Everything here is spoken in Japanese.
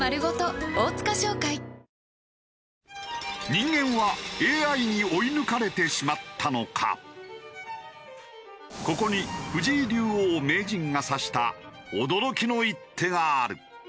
人間はここに藤井竜王・名人が指した驚きの一手がある。